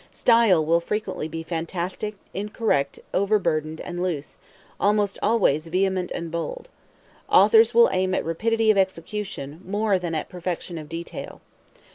Style will frequently be fantastic, incorrect, overburdened, and loose almost always vehement and bold. Authors will aim at rapidity of execution, more than at perfection of detail.